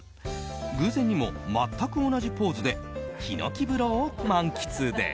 偶然にも全く同じポーズでヒノキ風呂を満喫です。